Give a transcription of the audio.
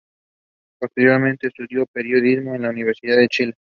Posteriormente estudió Periodismo en la Universidad de Chile.